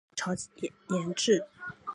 魏晋南北朝沿置。